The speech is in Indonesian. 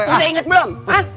lo udah inget belum